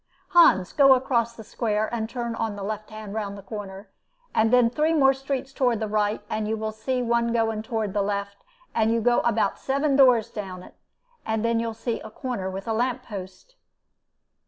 Hans, go across the square, and turn on the left hand round the corner, and then three more streets toward the right, and you see one going toward the left, and you go about seven doors down it, and then you see a corner with a lamp post."